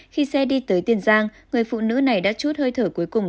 khi xe đi tới tiền giang người phụ nữ này đã chút hơi thở cuối cùng